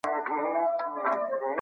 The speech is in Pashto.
هغوی خپلي پرېکړي مشرانو ته پرېښي دي.